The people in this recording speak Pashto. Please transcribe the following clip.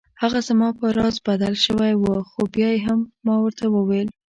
هغه زما په راز بدل شوی و خو بیا هم ما ورته وویل.